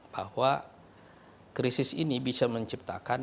bahwa krisis ini bisa menciptakan